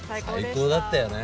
最高だったよね